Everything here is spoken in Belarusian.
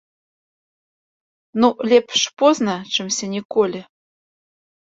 Ну, лепш позна, чымся ніколі.